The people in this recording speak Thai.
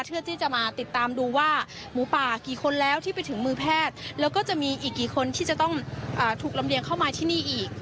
เพื่อที่จะมาติดตามดูว่าหมูป่ากี่คนแล้วที่ไปถึงมือแพทย์แล้วก็จะมีอีกกี่คนที่จะต้องถูกลำเลียงเข้ามาที่นี่อีก